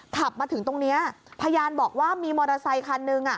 ขับมาถึงตรงนี้พยานบอกว่ามีมอเตอร์ไซคันนึง